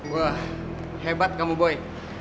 wah hebat kamu boy